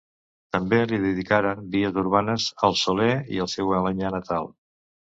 També li dedicaren vies urbanes el Soler i el seu Alenyà natal.